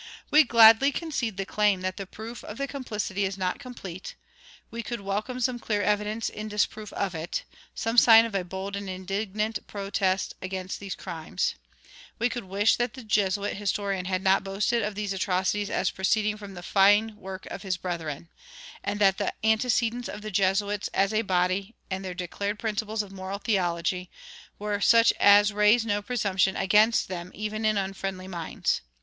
We gladly concede the claim[28:2] that the proof of the complicity is not complete; we could welcome some clear evidence in disproof of it some sign of a bold and indignant protest against these crimes; we could wish that the Jesuit historian had not boasted of these atrocities as proceeding from the fine work of his brethren,[29:1] and that the antecedents of the Jesuits as a body, and their declared principles of "moral theology," were such as raise no presumption against them even in unfriendly minds.